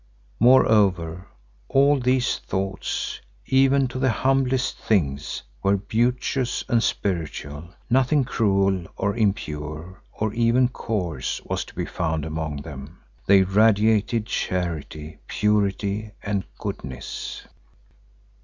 Moreover, all these thoughts, even of the humblest things, were beauteous and spiritual, nothing cruel or impure or even coarse was to be found among them: they radiated charity, purity and goodness.